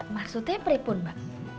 maksudnya pripun mbak